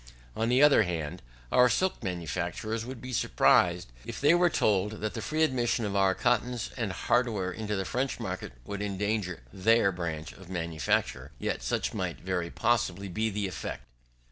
On the other hand, our silk manufacturers would be surprised if they were told that the free admission of our cottons and hardware into the French market, would endanger their branch of manufacture: yet such might very possibly be the effect.